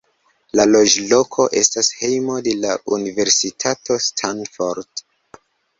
La loĝloko estas hejmo de la Universitato Stanford.